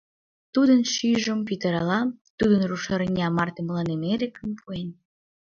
Тудын шӱйжым пӱтыралам, тудо рушарня марте мыланем эрыкым пуэн.